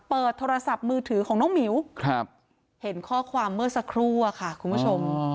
โทรศัพท์มือถือของน้องหมิวเห็นข้อความเมื่อสักครู่อะค่ะคุณผู้ชม